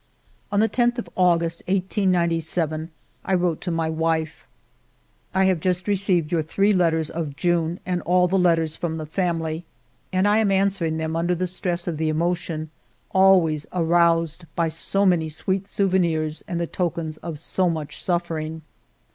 On the loth of August, 1897, I wrote to my wife :—" I have just received your three letters of June and all the letters from the family, and I am answering them under the stress of the emo tion always aroused by so many sweet souvenirs and the tokens of so much suffering.